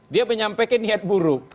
dia menyampaikan niat buruk